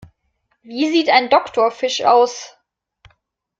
Wie sieht ein Doktorfisch aus?